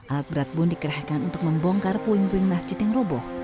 alat berat pun dikerahkan untuk membongkar puing puing masjid yang roboh